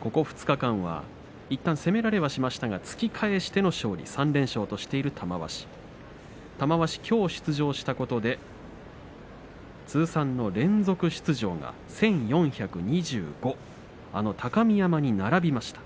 ここ２日間はいったん攻められはしましたけど突き返しての勝利３連勝としている玉鷲玉鷲きょう出場したことで通算の連続出場が１４２５あの高見山に並びました。